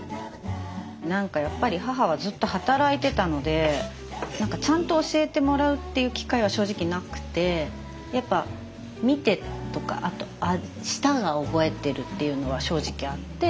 何かやっぱり母はずっと働いてたので何かちゃんと教えてもらうっていう機会は正直なくてやっぱ見てとか舌が覚えてるっていうのは正直あって。